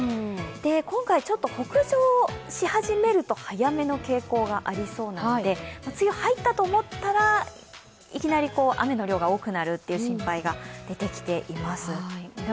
今回、北上し始めると早めの傾向がありそうなので梅雨に入ったと思ったらいきなり雨の量が多くなるという心配が出てきています。